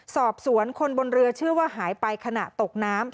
สอบสวนคนบนเรือเชื่อว่าหายไปขณะตกน้ำ